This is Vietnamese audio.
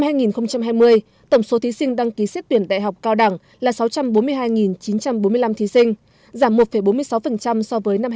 năm hai nghìn hai mươi tổng số thí sinh đăng ký xét tuyển đại học cao đẳng là sáu trăm bốn mươi hai chín trăm bốn mươi năm thí sinh giảm một bốn mươi sáu so với năm hai nghìn một mươi chín